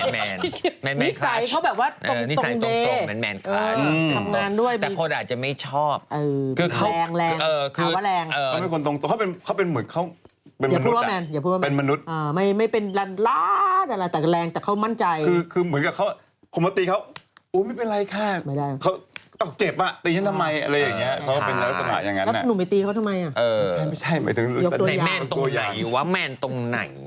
แมนนิสัยเขาแบบว่าตรงแมนตรงแมนนิสัยเขาแบบว่าตรงแมนนิสัยเขาแบบว่าตรงแมนนิสัยเขาแบบว่าตรงแมนนิสัยเขาแบบว่าตรงแมนนิสัยเขาแบบว่าตรงแมนนิสัยเขาแบบว่าตรงแมนนิสัยเขาแบบว่าตรงแมนนิสัยเขาแบบว่าตรงแมนน